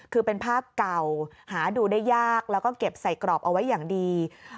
คือเป็นภาพเก่าหาดูได้ยากแล้วก็เก็บใส่กรอบเอาไว้อย่างดี